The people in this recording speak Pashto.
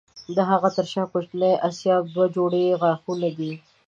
د هغه تر شا کوچني آسیاب دوه جوړې غاښونه دي.